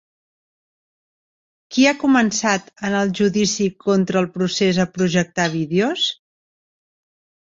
Qui ha començat en el judici contra el procés a projectar vídeos?